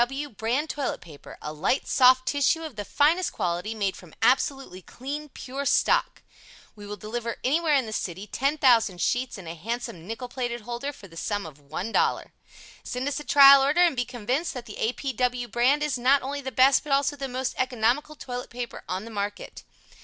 P. W. Brand Toilet Paper. A light, soft tissue of the finest quality, made from absolutely clean, pure stock. We will deliver anywhere in the city 10,000 sheets and a handsome nickel plated holder for the sum of $1.00 Send us a trial order and be convinced that the A. P. W. Brand is not only the best but also the most economical toilet paper on the market.